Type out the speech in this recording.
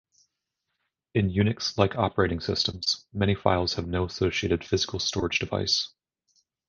In Unix-like operating systems, many files have no associated physical storage device.